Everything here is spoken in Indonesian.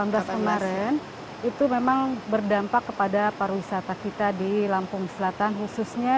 dua ribu delapan belas kemarin itu memang berdampak kepada pariwisata kita di lampung selatan khususnya